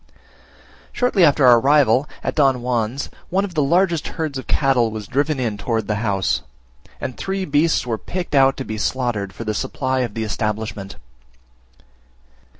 Shortly after our arrival at Don Juan's, one of the largest herds of cattle was driven in towards the house, and three beasts were picked out to be slaughtered for the supply of the establishment.